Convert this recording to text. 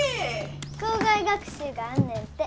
校外学習があんねんて。